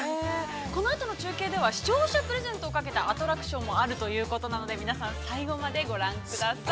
このあとの中継では、視聴者プレゼントをかけたアトラクションもあるということなので皆さん、最後までご覧ください。